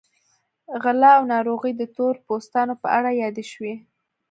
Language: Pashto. غلا او ناروغۍ د تور پوستانو په اړه یادې شوې.